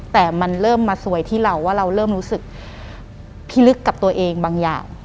แต่มันเริ่มมาซวยที่เราว่าเราเริ่มรู้สึกพิลึกกับตัวเองบางอย่าง